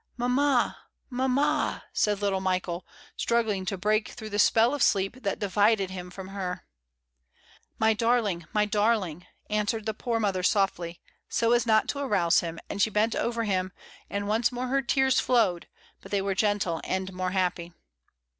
"Mamma, mamma," said little Michael, struggling to break through the spell of sleep that divided him from her. "My darling, my darling," answered the poor mother softly, so as not to arouse him, and she bent over him, and once more her tears flowed, but they were gentle and more happy.